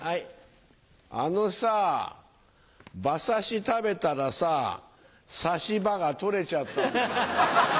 あのさ馬刺し食べたらさ差し歯が取れちゃったんだよ。